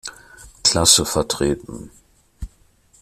Klasse vertreten.